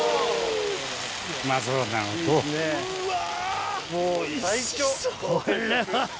うわ！